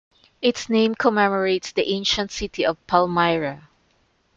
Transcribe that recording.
Its name commemorates the ancient city of Palmyra.